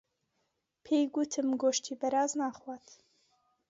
پێی گوتم گۆشتی بەراز ناخوات.